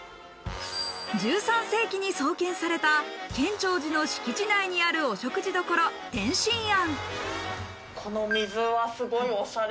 １３世紀に創建された建長寺の敷地内にあるお食事処・点心庵。